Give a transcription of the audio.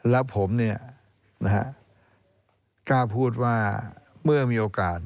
แล้วผมกล้าพูดว่าเมื่อมีโอกาส